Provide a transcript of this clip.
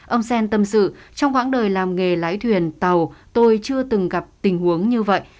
ông sen tâm sự trong quãng đời làm nghề lái thuyền tàu tôi chưa từng gặp tình huống như vậy